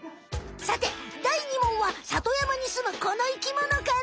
さて第２問は里山にすむこの生きものから！